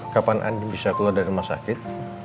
kapan andi bisa keluar dari rumah sakit